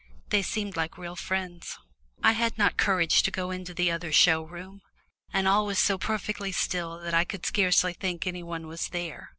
They seemed like real friends. I had not courage to go into the other show room, and all was so perfectly still that I could scarcely think any one was there.